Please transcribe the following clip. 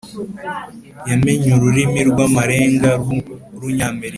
yamenye ururimi rw amarenga rw urunyamerika